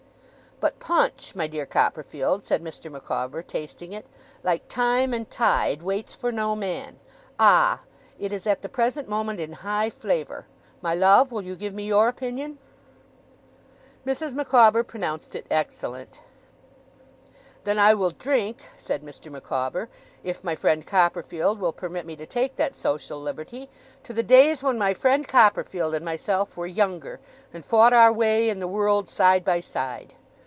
'But punch, my dear Copperfield,' said Mr. Micawber, tasting it, 'like time and tide, waits for no man. Ah! it is at the present moment in high flavour. My love, will you give me your opinion?' Mrs. Micawber pronounced it excellent. 'Then I will drink,' said Mr. Micawber, 'if my friend Copperfield will permit me to take that social liberty, to the days when my friend Copperfield and myself were younger, and fought our way in the world side by side.